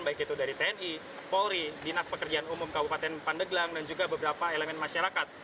baik itu dari tni polri dinas pekerjaan umum kabupaten pandeglang dan juga beberapa elemen masyarakat